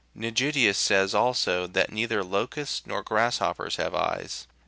Nigidius says also, that neither locusts nor grass hoppers have eyes.